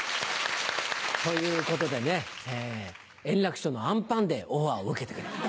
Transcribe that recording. ということでね円楽師匠のあんパンでオファーを受けてくれた。